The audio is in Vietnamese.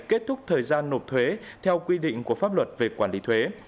kết thúc thời gian nộp thuế theo quy định của pháp luật về quản lý thuế